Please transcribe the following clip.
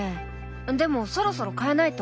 でもそろそろ替えないと。